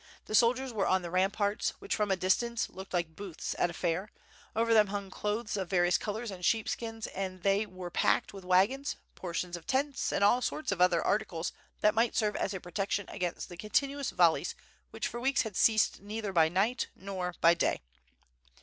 The soldiers were on the ram parts, which, from a distance, looked like booths at a fair, over <hem hung clothes of various colors and sheepskins, and they were packed with wagons, portions of tents, and all sorts of other articles that might serve as a protection against the continuous volleys which for weeks had ceased neither by night nor by day.